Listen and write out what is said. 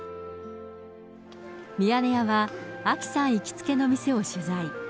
ミヤネ屋は、あきさん行きつけの店を取材。